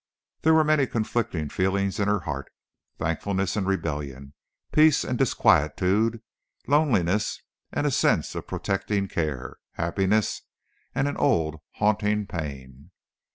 There were many conflicting feelings in her heart—thankfulness and rebellion, peace and disquietude, loneliness and a sense of protecting care, happiness and an old, haunting pain.